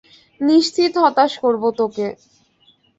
নিশ্চিত হতাশ করব তোকে।